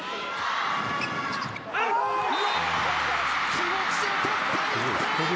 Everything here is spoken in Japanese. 気持ちで取った１点！